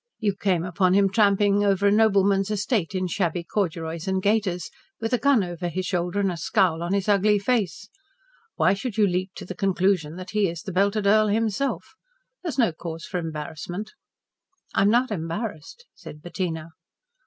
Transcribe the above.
You came upon him tramping over a nobleman's estate in shabby corduroys and gaiters, with a gun over his shoulder and a scowl on his ugly face. Why should you leap to the conclusion that he is the belted Earl himself? There is no cause for embarrassment." "I am not embarrassed," said Bettina.